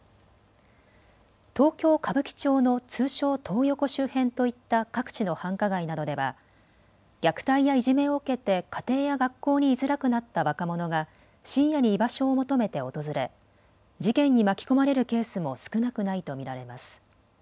東京歌舞伎町の通称、トー横周辺といった各地の繁華街などでは虐待やいじめを受けて家庭や学校に居づらくなった若者が深夜に居場所を求めて訪れ事件に巻き込まれるケースも少なくないと見られます。